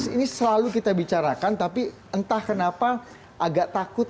ini selalu kita bicarakan tapi entah kenapa agak takut